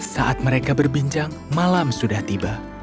saat mereka berbincang malam sudah tiba